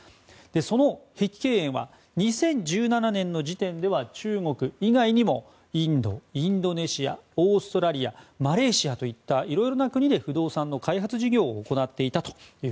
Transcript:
その碧桂園は２０１７年時点では中国以外にもインド、インドネシアオーストラリア、マレーシアなどいろいろな国で不動産の開発事業を行っていました。